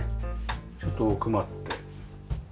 ちょっと奥まって。